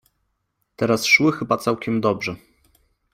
— Teraz szły chyba całkiem dobrze?